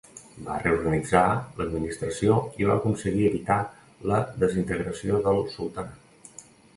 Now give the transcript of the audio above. Va reorganitzar l'administració i va aconseguir evitar la desintegració del sultanat.